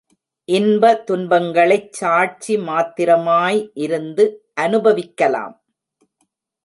இன்ப துன்பங்களைச் சாட்சி மாத்திரமாய் இருந்து அநுபவிக்கலாம்.